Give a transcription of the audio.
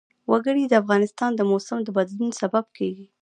وګړي د افغانستان د موسم د بدلون سبب کېږي.